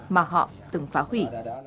mà họ từng phá hủy